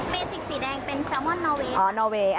เป็นสีแดงเป็นแซลมอนอร์เวย์ค่ะ